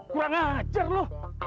kurang ajar lu